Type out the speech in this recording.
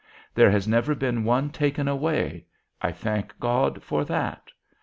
There has never been one taken away: I thank God for that.